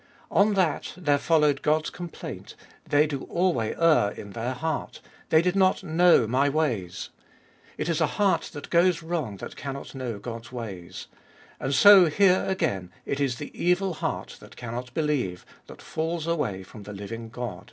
On that there followed God's complaint, " They do alway err in their heart ; they did not know my ways." It is a heart that goes wrong that cannot know God's ways. And so here again, it is the evil heart that cannot believe, that falls away from the living God.